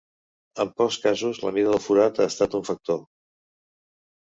En pocs casos la mida del forat ha estat un factor.